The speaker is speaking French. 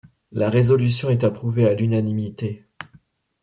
La résolution est approuvée à l’unanimité.